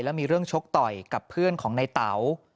แล้วมีเรื่องชกต่อยกับเพื่อนของในเต๋า